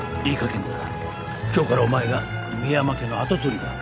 健太今日からお前が深山家の跡取りだ。